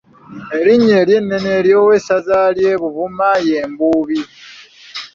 Erinnya ery’ennono ery’owessaza ly’e Buvuma ye Mbuubi.